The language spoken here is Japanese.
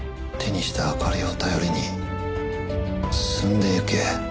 手にした明かりを頼りに進んでゆけ。